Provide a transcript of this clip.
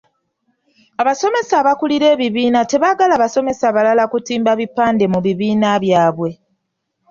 Abasomesa abakulira ebibiina tebaagala basomesa balala kutimba bipande mu bibiina byabwe.